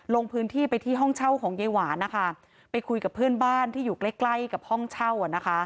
ลงพื้นที่ไปที่ห้องเช่าของยายหวานนะคะไปคุยกับเพื่อนบ้านที่อยู่ใกล้ใกล้กับห้องเช่า